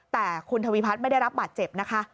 แต่คุณทวีพัฒน์ไม่ได้รับบาดเจ็บนะคะ